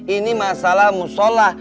ini masalah mushollah